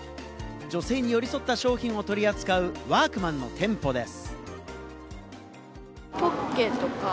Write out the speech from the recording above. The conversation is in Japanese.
女性に寄り添った商品を取り扱うワークマンの店舗です。